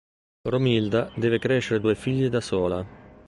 Romilda deve crescere due figlie da sola.